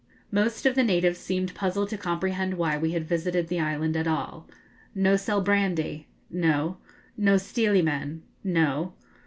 Most of the natives seemed puzzled to comprehend why we had visited the island at all. 'No sell brandy?' 'No.' 'No stealy men?' 'No.'